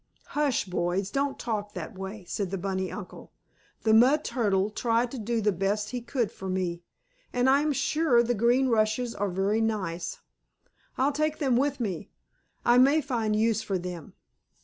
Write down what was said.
"Hush, boys! Don't talk that way," said the bunny uncle. "The mud turtle tried to do the best he could for me, and I am sure the green rushes are very nice. I'll take them with me. I may find use for them."